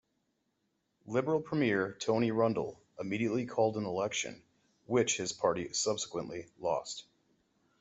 Liberal Premier Tony Rundle immediately called an election, which his party subsequently lost.